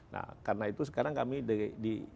nah karena itu sekarang kami di